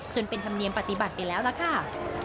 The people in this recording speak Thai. จนเป็นธรรมเนียมปฏิบัติไปแล้วล่ะค่ะ